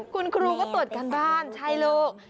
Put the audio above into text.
คุณครูก็ตรวจการบ้านใช่ลูก